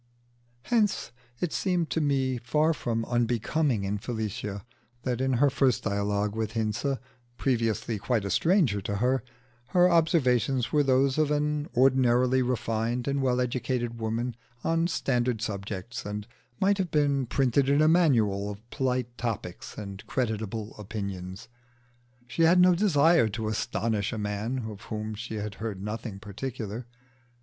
Hence it seemed to me far from unbecoming in Felicia that in her first dialogue with Hinze, previously quite a stranger to her, her observations were those of an ordinarily refined and well educated woman on standard subjects, and might have been printed in a manual of polite topics and creditable opinions. She had no desire to astonish a man of whom she had heard nothing particular.